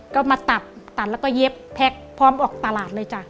ก็มาตัดตัดแล้วก็เย็บแพ็คพร้อมออกตลาดเลยจ้ะ